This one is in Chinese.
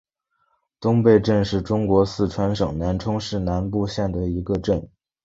东坝镇是中国四川省南充市南部县的一个镇。